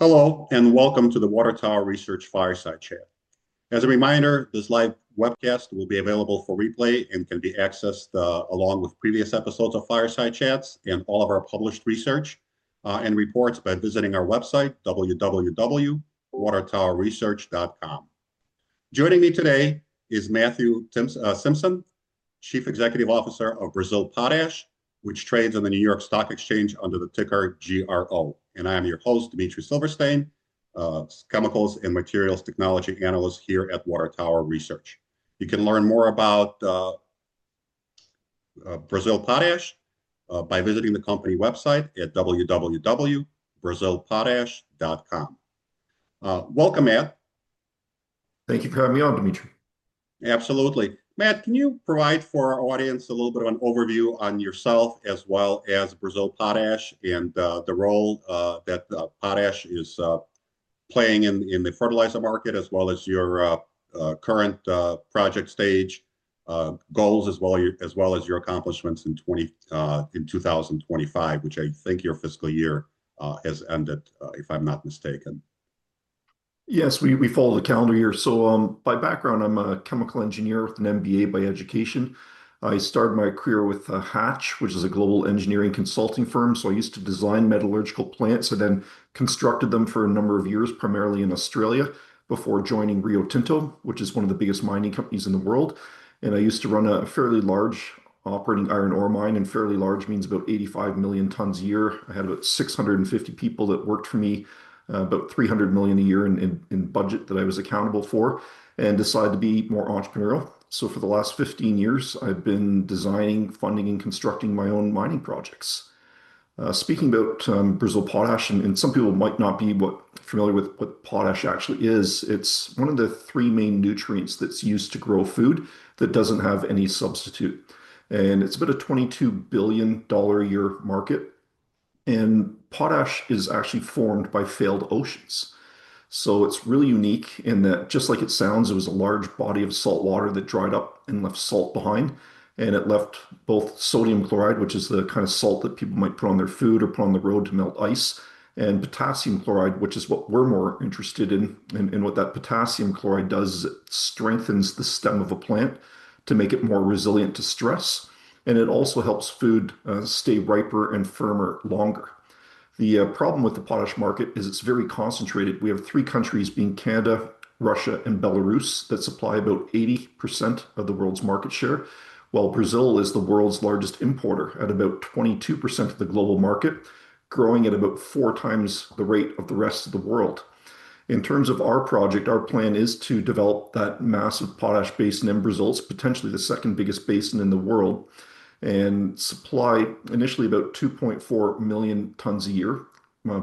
Hello, and welcome to the Water Tower Research Fireside Chat. As a reminder, this live webcast will be available for replay and can be accessed along with previous episodes of Fireside Chats and all of our published research and reports by visiting our website, www.watertowerresearch.com. Joining me today is Matthew Simpson, Chief Executive Officer of Brazil Potash, which trades on the New York Stock Exchange under the ticker GRO. And I am your host, Dmitry Silversteyn, Chemicals and Materials Technology Analyst here at Water Tower Research. You can learn more about Brazil Potash by visiting the company website at www.brazilpotash.com. Welcome, Matt. Thank you for having me on, Dmitry. Absolutely. Matt, can you provide for our audience a little bit of an overview on yourself as well as Brazil Potash and the role that potash is playing in the fertilizer market, as well as your current project stage goals, as well as your accomplishments in 2025, which I think your fiscal year has ended, if I'm not mistaken? Yes, we follow the calendar year, so by background, I'm a chemical engineer with an MBA by education. I started my career with Hatch, which is a global engineering consulting firm, so I used to design metallurgical plants and then constructed them for a number of years, primarily in Australia, before joining Rio Tinto, which is one of the biggest mining companies in the world, and I used to run a fairly large operating iron ore mine, and fairly large means about 85 million tons a year. I had about 650 people that worked for me, about $300 million a year in budget that I was accountable for, and decided to be more entrepreneurial, so for the last 15 years, I've been designing, funding, and constructing my own mining projects. Speaking about Brazil Potash, and some people might not be familiar with what potash actually is, it's one of the three main nutrients that's used to grow food that doesn't have any substitute, and it's about a $22 billion a year market, and potash is actually formed by failed oceans, so it's really unique in that, just like it sounds, it was a large body of salt water that dried up and left salt behind, and it left both sodium chloride, which is the kind of salt that people might put on their food or put on the road to melt ice, and potassium chloride, which is what we're more interested in, and what that potassium chloride does is it strengthens the stem of a plant to make it more resilient to stress, and it also helps food stay riper and firmer longer. The problem with the potash market is it's very concentrated. We have three countries, being Canada, Russia, and Belarus, that supply about 80% of the world's market share, while Brazil is the world's largest importer at about 22% of the global market, growing at about four times the rate of the rest of the world. In terms of our project, our plan is to develop that massive potash basin in Brazil, it's potentially the second biggest basin in the world, and supply initially about 2.4 million tons a year,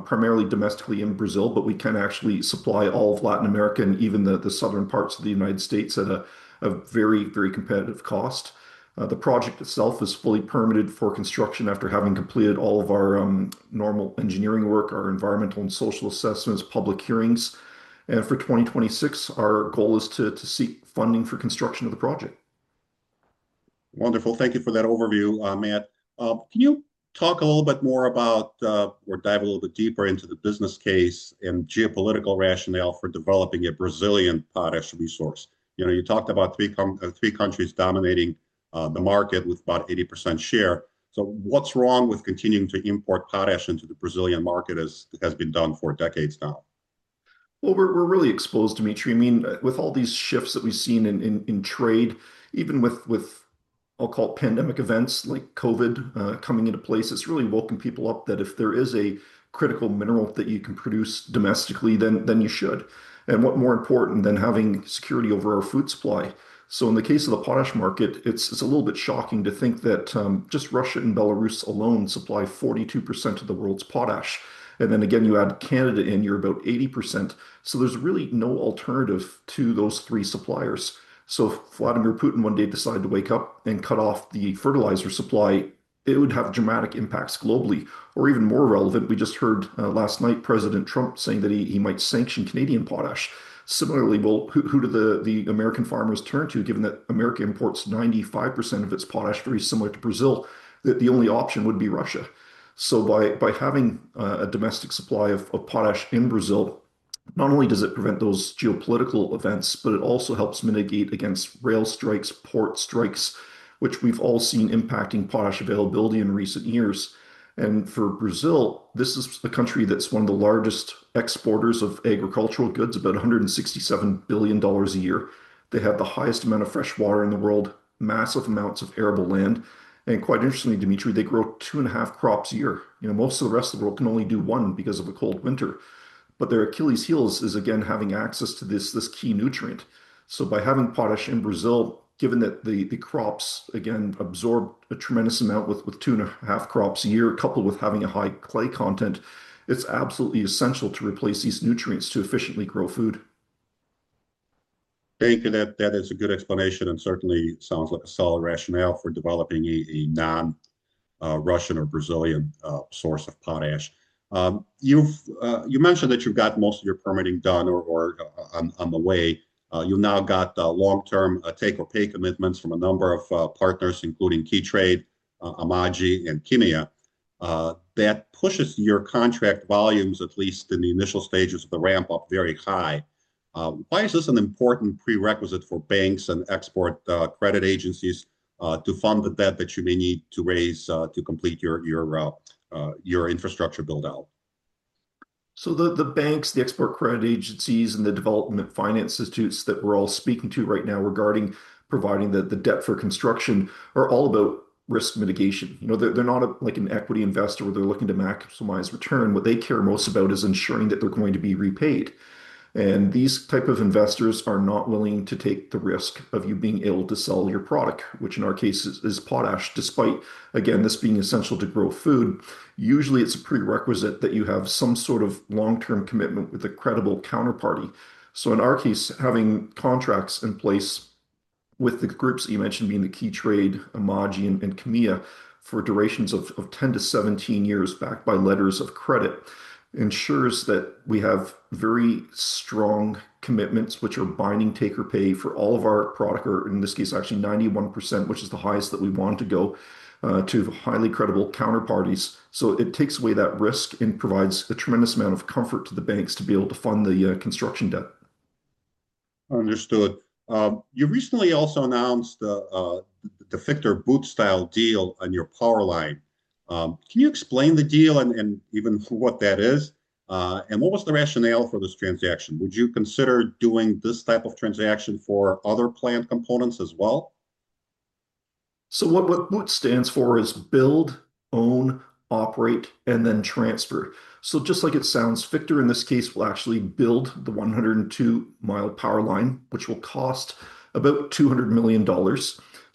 primarily domestically in Brazil, but we can actually supply all of Latin America and even the southern parts of the United States at a very, very competitive cost. The project itself is fully permitted for construction after having completed all of our normal engineering work, our environmental and social assessments, public hearings. For 2026, our goal is to seek funding for construction of the project. Wonderful. Thank you for that overview, Matt. Can you talk a little bit more about, or dive a little bit deeper into the business case and geopolitical rationale for developing a Brazilian potash resource? You talked about three countries dominating the market with about 80% share. So what's wrong with continuing to import potash into the Brazilian market as has been done for decades now? We're really exposed, Dmitry. I mean, with all these shifts that we've seen in trade, even with, I'll call it, pandemic events like COVID coming into place, it's really woken people up that if there is a critical mineral that you can produce domestically, then you should. What more important than having security over our food supply? In the case of the potash market, it's a little bit shocking to think that just Russia and Belarus alone supply 42% of the world's potash. Then again, you add Canada in, you're about 80%. There's really no alternative to those three suppliers. If Vladimir Putin one day decided to wake up and cut off the fertilizer supply, it would have dramatic impacts globally. Even more relevant, we just heard last night President Trump saying that he might sanction Canadian potash. Similarly, well, who do the American farmers turn to, given that America imports 95% of its potash, very similar to Brazil, that the only option would be Russia? So by having a domestic supply of potash in Brazil, not only does it prevent those geopolitical events, but it also helps mitigate against rail strikes, port strikes, which we've all seen impacting potash availability in recent years. And for Brazil, this is a country that's one of the largest exporters of agricultural goods, about $167 billion a year. They have the highest amount of fresh water in the world, massive amounts of arable land. And quite interestingly, Dmitry, they grow two and a half crops a year. Most of the rest of the world can only do one because of a cold winter. But their Achilles heel is, again, having access to this key nutrient. So by having potash in Brazil, given that the crops, again, absorb a tremendous amount with two and a half crops a year, coupled with having a high clay content, it's absolutely essential to replace these nutrients to efficiently grow food. Thank you. That is a good explanation and certainly sounds like a solid rationale for developing a non-Russian or Brazilian source of potash. You mentioned that you've got most of your permitting done or on the way. You've now got long-term take-or-pay commitments from a number of partners, including Keytrade, AMAGGI, and Kimia. That pushes your contract volumes, at least in the initial stages of the ramp-up, very high. Why is this an important prerequisite for banks and export credit agencies to fund the debt that you may need to raise to complete your infrastructure build-out? So the banks, the export credit agencies, and the development finance institutions that we're all speaking to right now regarding providing the debt for construction are all about risk mitigation. They're not like an equity investor where they're looking to maximize return. What they care most about is ensuring that they're going to be repaid. And these types of investors are not willing to take the risk of you being able to sell your product, which in our case is potash. Despite, again, this being essential to grow food, usually it's a prerequisite that you have some sort of long-term commitment with a credible counterparty. So in our case, having contracts in place with the groups you mentioned being the Keytrade, AMAGGI, and Kimia for durations of 10 to 17 years backed by letters of credit ensures that we have very strong commitments, which are binding take or pay for all of our product, or in this case, actually 91%, which is the highest that we want to go to highly credible counterparties. So it takes away that risk and provides a tremendous amount of comfort to the banks to be able to fund the construction debt. Understood. You recently also announced the Fictor BOOT-style deal on your power line. Can you explain the deal and even what that is? And what was the rationale for this transaction? Would you consider doing this type of transaction for other plant components as well? What BOOT stands for is Build, Own, Operate, and then Transfer. So just like it sounds, Fictor in this case will actually build the 102 mi power line, which will cost about $200 million.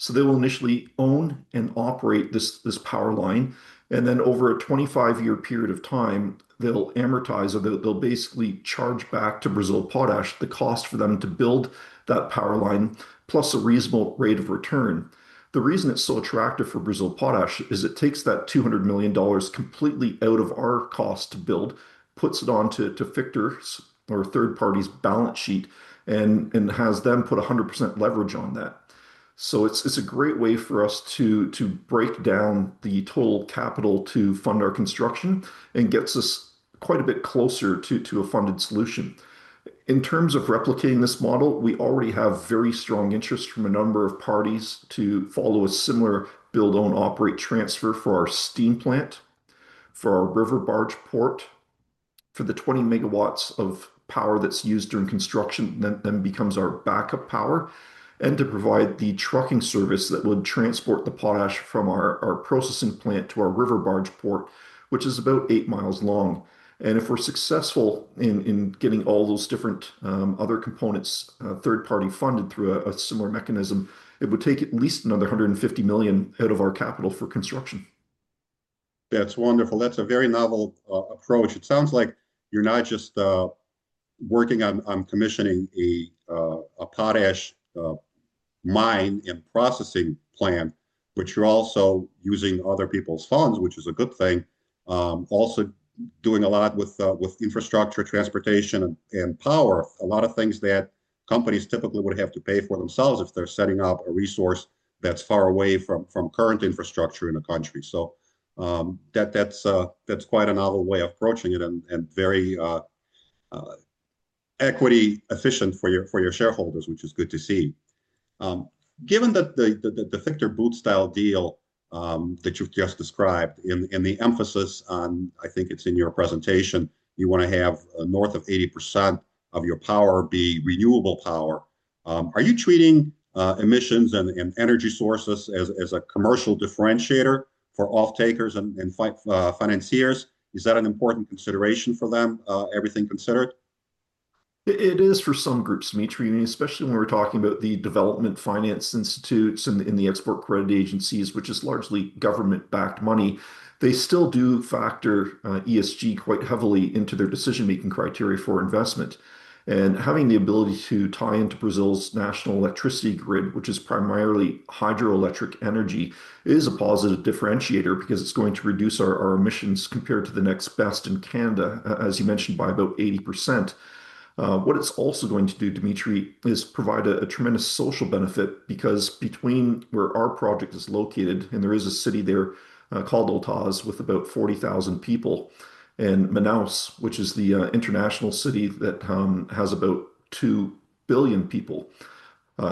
So they will initially own and operate this power line. And then over a 25-year period of time, they'll amortize, or they'll basically charge back to Brazil Potash the cost for them to build that power line, plus a reasonable rate of return. The reason it's so attractive for Brazil Potash is it takes that $200 million completely out of our cost to build, puts it onto Fictor's or third party's balance sheet, and has them put 100% leverage on that. So it's a great way for us to break down the total capital to fund our construction and gets us quite a bit closer to a funded solution. In terms of replicating this model, we already have very strong interest from a number of parties to follow a similar Build, Own, Operate, Transfer for our steam plant, for our river barge port, for the 20 MW of power that's used during construction, then becomes our backup power, and to provide the trucking service that would transport the potash from our processing plant to our river barge port, which is about eight miles long. If we're successful in getting all those different other components, third-party funded through a similar mechanism, it would take at least another $150 million out of our capital for construction. That's wonderful. That's a very novel approach. It sounds like you're not just working on commissioning a potash mine and processing plant, but you're also using other people's funds, which is a good thing. Also doing a lot with infrastructure, transportation, and power. A lot of things that companies typically would have to pay for themselves if they're setting up a resource that's far away from current infrastructure in a country. So that's quite a novel way of approaching it and very equity efficient for your shareholders, which is good to see. Given that the Fictor BOOT-style deal that you've just described and the emphasis on, I think it's in your presentation, you want to have north of 80% of your power be renewable power. Are you treating emissions and energy sources as a commercial differentiator for off-takers and financiers? Is that an important consideration for them, everything considered? It is for some groups, Dmitry, and especially when we're talking about the development finance institutes and the export credit agencies, which is largely government-backed money. They still do factor ESG quite heavily into their decision-making criteria for investment. And having the ability to tie into Brazil's national electricity grid, which is primarily hydroelectric energy, is a positive differentiator because it's going to reduce our emissions compared to the next best in Canada, as you mentioned, by about 80%. What it's also going to do, Dmitry, is provide a tremendous social benefit because between where our project is located, and there is a city there called Autazes with about 40,000 people, and Manaus, which is the international city that has about 2 billion people,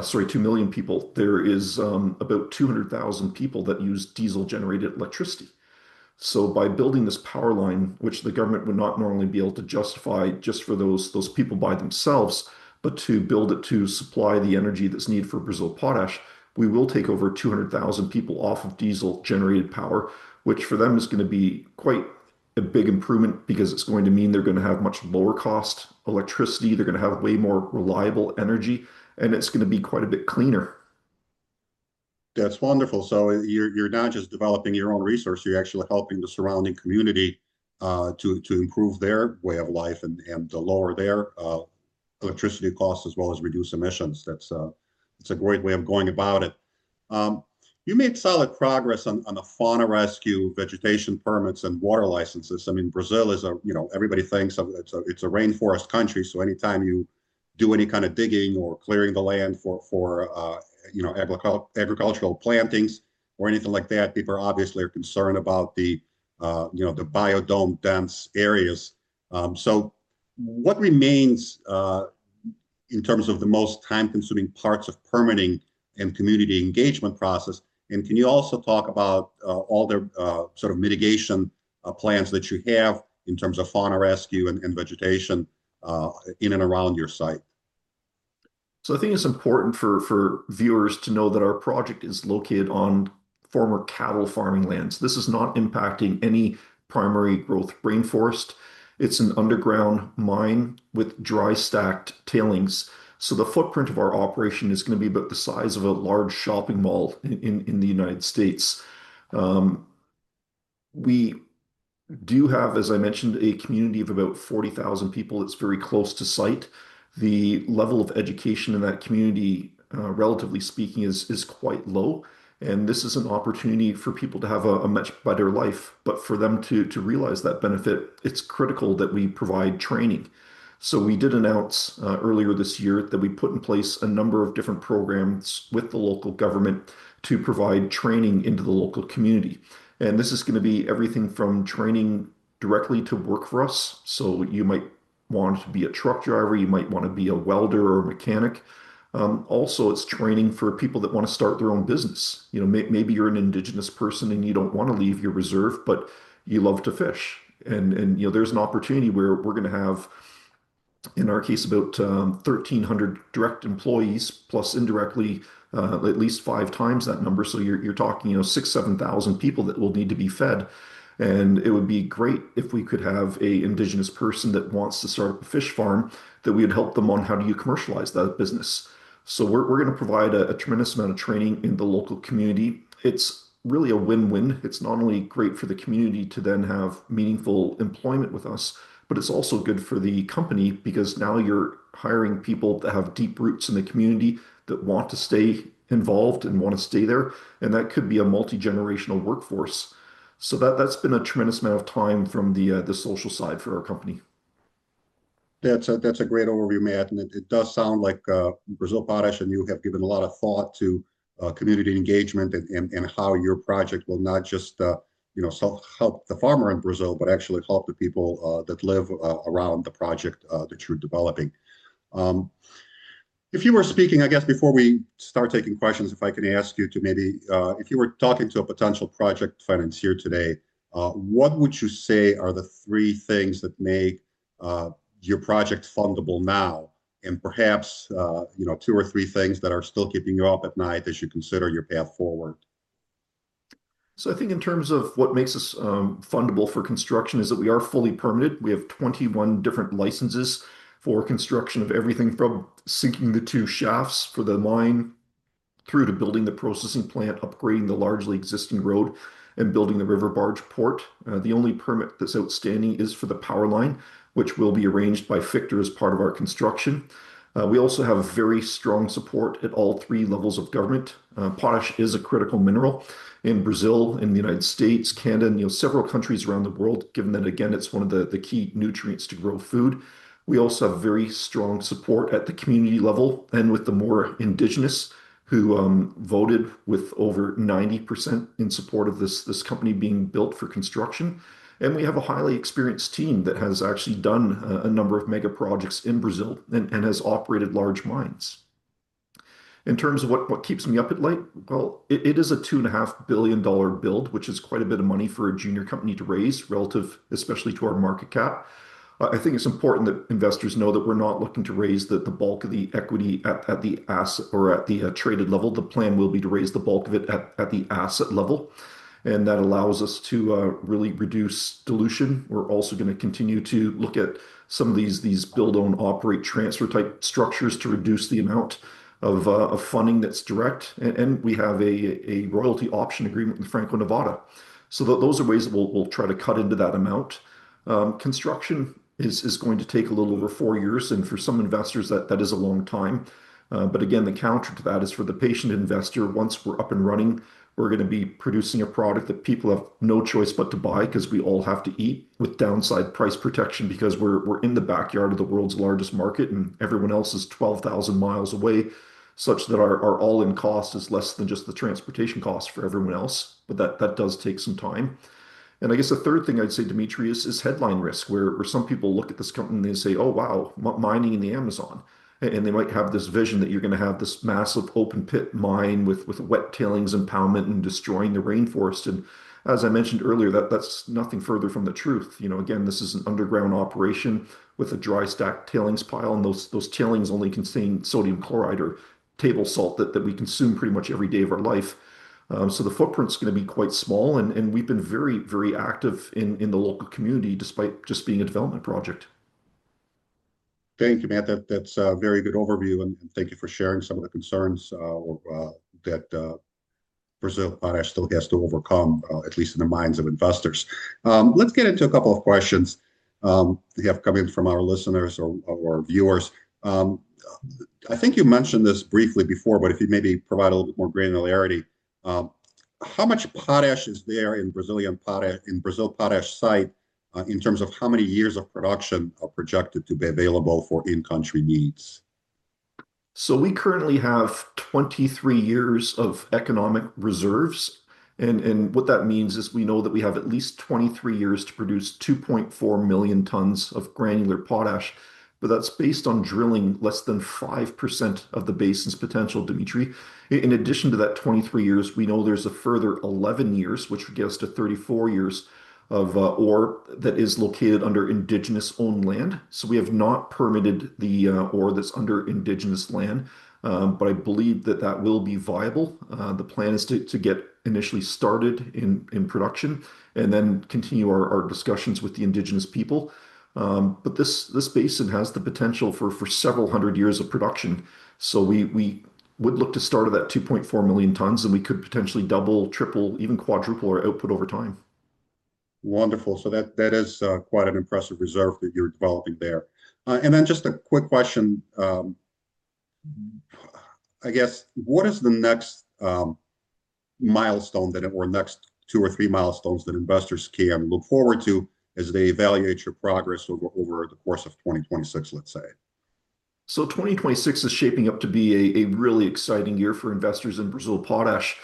sorry, 2 million people, there is about 200,000 people that use diesel-generated electricity. So by building this power line, which the government would not normally be able to justify just for those people by themselves, but to build it to supply the energy that's needed for Brazil Potash, we will take over 200,000 people off of diesel-generated power, which for them is going to be quite a big improvement because it's going to mean they're going to have much lower cost electricity, they're going to have way more reliable energy, and it's going to be quite a bit cleaner. That's wonderful. So you're not just developing your own resource, you're actually helping the surrounding community to improve their way of life and to lower their electricity costs as well as reduce emissions. That's a great way of going about it. You made solid progress on the fauna rescue vegetation permits and water licenses. I mean, Brazil is a, everybody thinks it's a rainforest country, so anytime you do any kind of digging or clearing the land for agricultural plantings or anything like that, people obviously are concerned about the biodiverse-dense areas. So what remains in terms of the most time-consuming parts of permitting and community engagement process? And can you also talk about all the sort of mitigation plans that you have in terms of fauna rescue and vegetation in and around your site? So I think it's important for viewers to know that our project is located on former cattle farming lands. This is not impacting any primary growth rainforest. It's an underground mine with dry-stacked tailings. So the footprint of our operation is going to be about the size of a large shopping mall in the United States. We do have, as I mentioned, a community of about 40,000 people that's very close to site. The level of education in that community, relatively speaking, is quite low. And this is an opportunity for people to have a much better life. But for them to realize that benefit, it's critical that we provide training. So we did announce earlier this year that we put in place a number of different programs with the local government to provide training into the local community. And this is going to be everything from training directly to work for us. So you might want to be a truck driver, you might want to be a welder or a mechanic. Also, it's training for people that want to start their own business. Maybe you're an indigenous person and you don't want to leave your reserve, but you love to fish. And there's an opportunity where we're going to have, in our case, about 1,300 direct employees, plus indirectly at least five times that number. So you're talking 6,000, 7,000 people that will need to be fed. And it would be great if we could have an indigenous person that wants to start a fish farm that we would help them on how do you commercialize that business. So we're going to provide a tremendous amount of training in the local community. It's really a win-win. It's not only great for the community to then have meaningful employment with us, but it's also good for the company because now you're hiring people that have deep roots in the community that want to stay involved and want to stay there, and that could be a multi-generational workforce, so that's been a tremendous amount of time from the social side for our company. That's a great overview, Matt. And it does sound like Brazil Potash, and you have given a lot of thought to community engagement and how your project will not just help the farmer in Brazil, but actually help the people that live around the project that you're developing. If you were speaking, I guess before we start taking questions, if I can ask you to maybe, if you were talking to a potential project financier today, what would you say are the three things that make your project fundable now and perhaps two or three things that are still keeping you up at night as you consider your path forward? So I think in terms of what makes us fundable for construction is that we are fully permitted. We have 21 different licenses for construction of everything from sinking the two shafts for the mine through to building the processing plant, upgrading the largely existing road, and building the river barge port. The only permit that's outstanding is for the power line, which will be arranged by Fictor as part of our construction. We also have very strong support at all three levels of government. Potash is a critical mineral in Brazil, in the United States, Canada, and several countries around the world, given that, again, it's one of the key nutrients to grow food. We also have very strong support at the community level and with the Mura indigenous who voted with over 90% in support of this company being built for construction. And we have a highly experienced team that has actually done a number of mega projects in Brazil and has operated large mines. In terms of what keeps me up at night, well, it is a $2.5 billion build, which is quite a bit of money for a junior company to raise, relative especially to our market cap. I think it's important that investors know that we're not looking to raise the bulk of the equity at the asset or at the traded level. The plan will be to raise the bulk of it at the asset level. And that allows us to really reduce dilution. We're also going to continue to look at some of these build, own, operate, transfer type structures to reduce the amount of funding that's direct. And we have a royalty option agreement with Franco-Nevada. So those are ways we'll try to cut into that amount. Construction is going to take a little over four years. And for some investors, that is a long time. But again, the counter to that is for the patient investor, once we're up and running, we're going to be producing a product that people have no choice but to buy because we all have to eat, with downside price protection because we're in the backyard of the world's largest market and everyone else is 12,000 mi away, such that our all-in cost is less than just the transportation cost for everyone else. But that does take some time. And I guess the third thing I'd say, Dmitry, is headline risk, where some people look at this company and they say, "Oh, wow, mining in the Amazon." And they might have this vision that you're going to have this massive open pit mine with wet tailings and power and destroying the rainforest. And as I mentioned earlier, that's nothing further from the truth. Again, this is an underground operation with a dry-stacked tailings pile. And those tailings only contain sodium chloride or table salt that we consume pretty much every day of our life. So the footprint's going to be quite small. And we've been very, very active in the local community despite just being a development project. Thank you, Matt. That's a very good overview. And thank you for sharing some of the concerns that Brazil Potash still has to overcome, at least in the minds of investors. Let's get into a couple of questions we have coming from our listeners or viewers. I think you mentioned this briefly before, but if you maybe provide a little bit more granularity, how much potash is there in Brazil Potash site in terms of how many years of production are projected to be available for in-country needs? We currently have 23 years of economic reserves. And what that means is we know that we have at least 23 years to produce 2.4 million tons of granular potash. But that's based on drilling less than 5% of the basin's potential, Dmitry. In addition to that 23 years, we know there's a further 11 years, which gives us to 34 years of ore that is located under indigenous-owned land. So we have not permitted the ore that's under indigenous land. But I believe that that will be viable. The plan is to get initially started in production and then continue our discussions with the indigenous people. But this basin has the potential for several hundred years of production. So we would look to start at that 2.4 million tons, and we could potentially double, triple, even quadruple our output over time. Wonderful. So that is quite an impressive reserve that you're developing there. And then just a quick question, I guess, what is the next milestone or next two or three milestones that investors can look forward to as they evaluate your progress over the course of 2026, let's say? 2026 is shaping up to be a really exciting year for investors in Brazil Potash.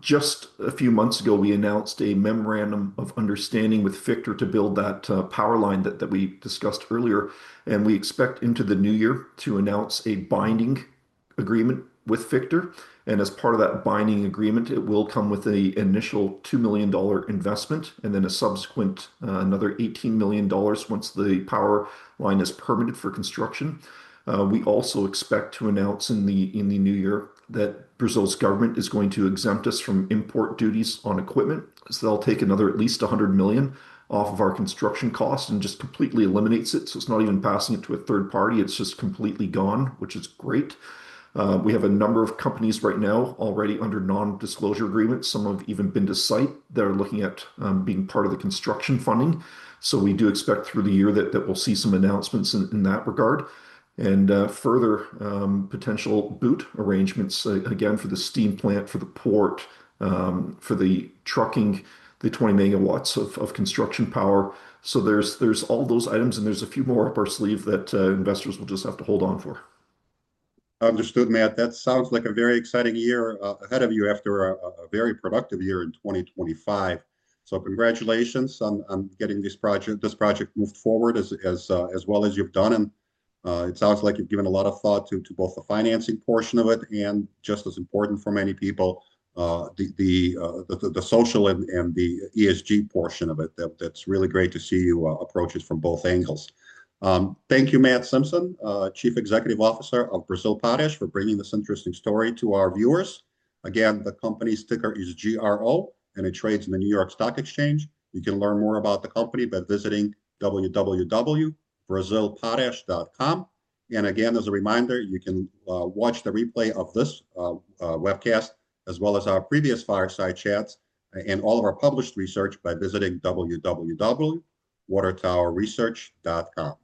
Just a few months ago, we announced a memorandum of understanding with Fictor to build that power line that we discussed earlier. We expect into the new year to announce a binding agreement with Fictor. As part of that binding agreement, it will come with an initial $2 million investment and then a subsequent another $18 million once the power line is permitted for construction. We also expect to announce in the new year that Brazil's government is going to exempt us from import duties on equipment. They'll take another at least $100 million off of our construction cost and just completely eliminates it. It's not even passing it to a third party. It's just completely gone, which is great. We have a number of companies right now already under non-disclosure agreements. Some have even been to site. They're looking at being part of the construction funding. So we do expect through the year that we'll see some announcements in that regard. And further potential BOOT arrangements, again, for the steam plant, for the port, for the trucking, the 20 MW of construction power. So there's all those items, and there's a few more up our sleeve that investors will just have to hold on for. Understood, Matt. That sounds like a very exciting year ahead of you after a very productive year in 2025, so congratulations on getting this project moved forward as well as you've done, and it sounds like you've given a lot of thought to both the financing portion of it and just as important for many people, the social and the ESG portion of it. That's really great to see you approach it from both angles. Thank you, Matt Simpson, Chief Executive Officer of Brazil Potash, for bringing this interesting story to our viewers. Again, the company's ticker is GRO, and it trades in the New York Stock Exchange. You can learn more about the company by visiting www.brazilpotash.com, and again, as a reminder, you can watch the replay of this webcast as well as our previous fireside chats and all of our published research by visiting www.watertowerresearch.com.